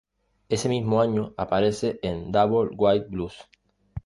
Ese mismo año aparece en "Double Wide Blues".